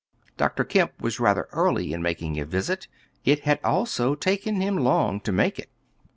Dr. Kemp was rather early in making a visit; it had also taken him long to make it.